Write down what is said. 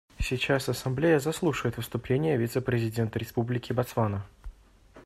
Сейчас Ассамблея заслушает выступление вице-президента Республики Ботсвана.